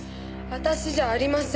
私じゃありません。